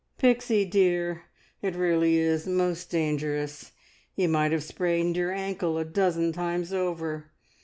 "Pixie dear, it really is most dangerous! You might have sprained your ankle a dozen times over.